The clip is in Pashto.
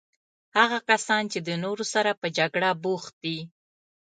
هغه کسان چې د نورو سره په جګړه بوخت دي.